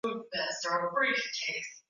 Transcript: Nanasi ni tamu kushinda halua